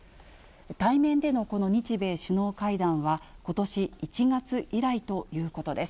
対面でのこの日米首脳会談は、ことし１月以来ということです。